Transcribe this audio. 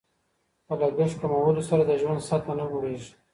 په لګښت کمولو سره د ژوند سطحه نه لوړیږي.